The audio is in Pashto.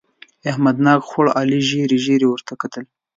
احمد ناک خوړ؛ علي ژېړې ژېړې ورته کتل.